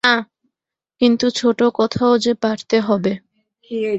কিন্তু ছোটো কথাও যে পাড়তে হবে।